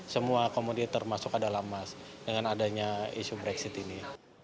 semua komodi termasuk adalah emas dengan adanya isu brexit ini